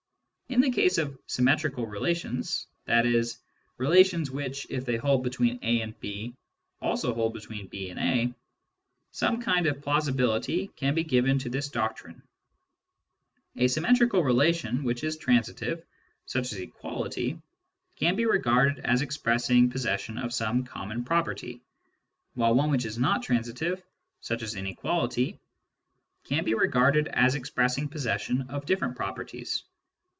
In the case of symmetrical relations — i.e. relations which, if they hold between A and B, also hold between B and A — some kind of plausibility can be given to this doctrine. A symmetrical relation which is transitive, such as equality, can be regarded as expressing possession of some common property, while one which is not transitive, such as Digitized by Google LOGIC AS THE ESSENCE OF PHILOSOPHY 49 inequality, can be regarded as expressing possession of different properties.